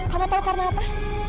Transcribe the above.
kamu tahu karena apa